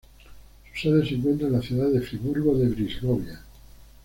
Su sede se encuentra en la ciudad de Friburgo de Brisgovia.